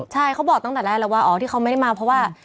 ใช่เขาบอกตั้งแต่แรกแล้วว่าเขาไม่มาเพราะว่า